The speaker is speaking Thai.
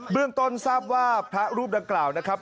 เรื่องต้นทราบว่าพระรูปดังกล่าวนะครับ